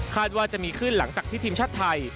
ว่าจะมีขึ้นหลังจากที่ทีมชาติไทย